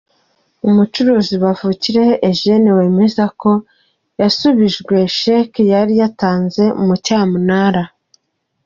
Umucuruzi Bavukiyehe Eugene wemeza ko yasubijwe Sheki yari yatanze mu cyamunara